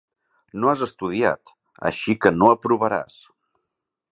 No has estudiat, així que no aprovaràs.